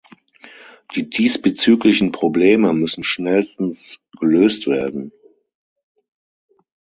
Die diesbezüglichen Probleme müssen schnellstens gelöst werden.